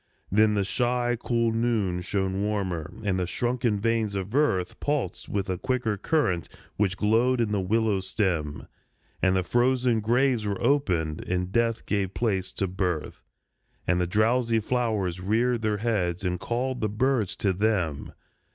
A SUMMER SONG 79 Then the shy, cool noon shone warmer, and the shrunken veins of earth Pulsed with a quicker current which glowed in the willow's stem, And the frozen graves were opened, and death gave place to birth, And the drowsy flowers reared their heads, and called the birds to them.